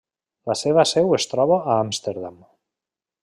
La seva seu es troba a Amsterdam.